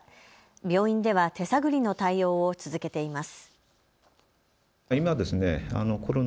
病院では手探りの対応を続けています。